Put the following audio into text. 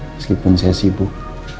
meskipun saya sibuk